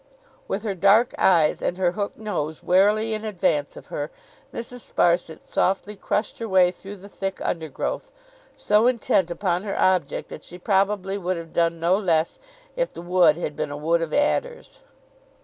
With her dark eyes and her hook nose warily in advance of her, Mrs. Sparsit softly crushed her way through the thick undergrowth, so intent upon her object that she probably would have done no less, if the wood had been a wood of adders.